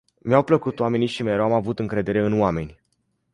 Mi-au plăcut oamenii și mereu am avut încredere în oameni.